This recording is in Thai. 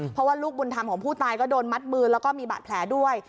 เพราะว่าลูกบุญธรรมของผู้ตายก็โดนมัดมือแล้วก็มีบาดแผลด้วย